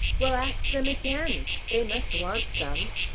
Well, ask them again! they must want some!